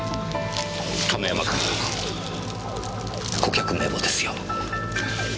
亀山君顧客名簿ですよ。